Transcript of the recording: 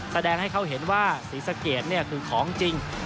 แสดงให้เค้าเห็นว่าศรีสเกษตรเนี่ยคือของจริง